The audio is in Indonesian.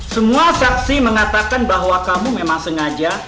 semua saksi mengatakan bahwa kamu memang sengaja